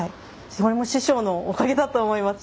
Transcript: これも師匠のおかげだと思います。